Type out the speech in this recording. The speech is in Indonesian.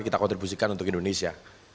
kita kontribusikan untuk indonesia